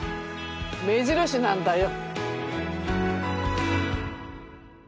目印なんだよ。